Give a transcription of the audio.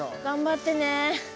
頑張ってね。